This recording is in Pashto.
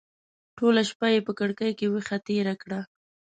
ټوله شپه یې په کړکۍ کې ویښه تېره کړه.